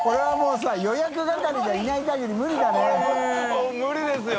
これ無理ですよ